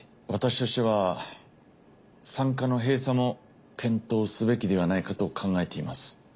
私としては産科の閉鎖も検討すべきではないかと考えています。